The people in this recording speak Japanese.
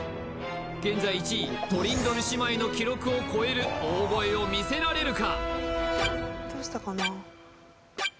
現在１位トリンドル姉妹の記録を超える大声を見せられるか！？